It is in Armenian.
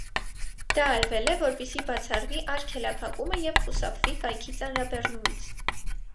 Դա արվել է, որպեսզի բացառվի արգելափակումը և խուսափվի կայքի ծանրաբեռումից։